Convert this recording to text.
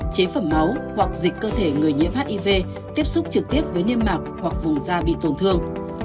chế phẩm máu hoặc dịch cơ thể người nhiễm hiv tiếp xúc trực tiếp với niêm mạc hoặc vùng da bị tổn thương